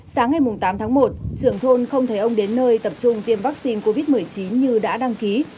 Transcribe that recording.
sáng ngày tám tháng một trưởng thôn không thấy ông đến nơi tập trung tiêm vaccine covid một mươi chín như đã đăng ký